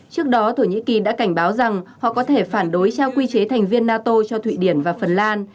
trước đó thổ nhĩ kỳ đã cảnh báo rằng họ có thể phản đối trao quy chế thành viên nato cho thụy điển và phần lan